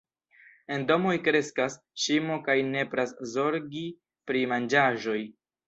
En domoj kreskas ŝimo kaj nepras zorgi pri manĝaĵoj.